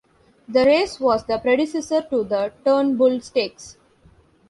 The race was the predecessor to the Turnbull Stakes.